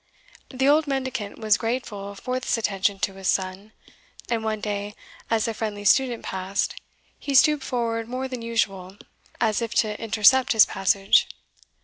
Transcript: The old mendicant was grateful for this attention to his son, and one day, as the friendly student passed, he stooped forward more than usual, as if to intercept his passage.